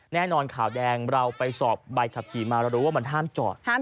แน่นอนข่าวแดงเราไปสอบใบขับขี่มาเรารู้ว่ามันห้ามจอด